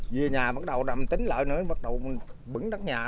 về nhà bắt đầu làm tính lợi nữa bắt đầu bửng đất nhà